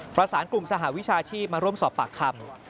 ประสานกลุ่มสหวิชาชีพมาร่วมสอบปากคำ